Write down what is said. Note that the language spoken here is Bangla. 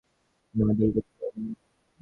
না, দেরি করতে পারব না।